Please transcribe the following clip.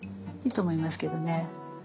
いいと思いますけどね。